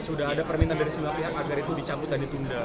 sudah ada permintaan dari sejumlah pihak agar itu dicabut dan ditunda